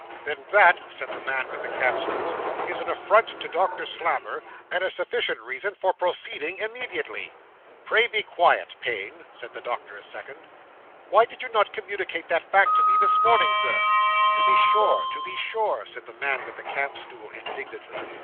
'Then, that,' said the man with the camp stool, 'is an affront to Doctor Slammer, and a sufficient reason for proceeding immediately.' 'Pray be quiet, Payne,' said the doctor's second. 'Why did you not communicate this fact to me this morning, Sir?' 'To be sure to be sure,' said the man with the camp stool indignantly.